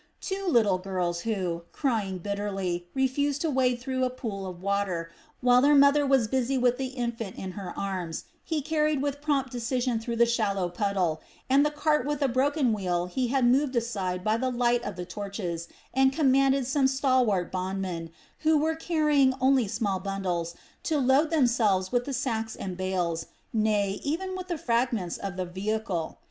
Two little girls who, crying bitterly, refused to wade through a pool of water, while their mother was busy with the infant in her arms, he carried with prompt decision through the shallow puddle, and the cart with a broken wheel he had moved aside by the light of the torches and commanded some stalwart bondmen, who were carrying only small bundles, to load themselves with the sacks and bales, nay, even the fragments of the vehicle.